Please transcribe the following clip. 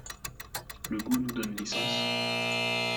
Le goût nous donne licence